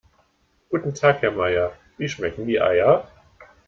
Guten Tag Herr Meier, wie schmecken die Eier?